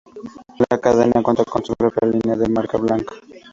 La cadena cuenta con su propia línea de marca blanca.